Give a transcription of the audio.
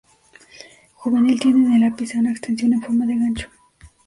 Juvenil tiene en el ápice una extensión en forma de gancho.